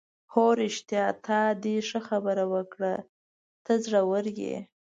هو رښتیا، ته دې ښه خبره وکړل، ته زړوره یې.